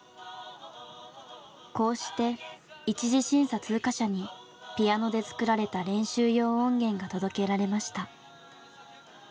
こうして１次審査通過者にピアノで作られた練習用音源が届けられました。